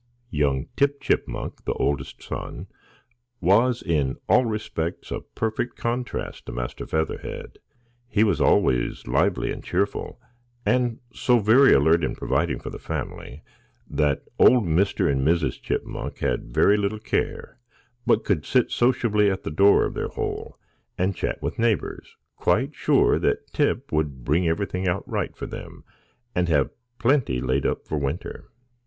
Young Tip Chipmunk, the oldest son, was in all respects a perfect contrast to Master Featherhead. He was always lively and cheerful, and so very alert in providing for the family, that old Mr. and Mrs. Chipmunk had very little care, but could sit sociably at the door of their hole and chat with neighbours, quite sure that Tip would bring everything out right for them, and have plenty laid up for winter.